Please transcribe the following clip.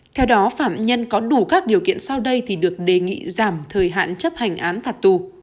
theo đó phạm nhân có đủ các điều kiện sau đây thì được đề nghị giảm thời hạn chấp hành án phạt tù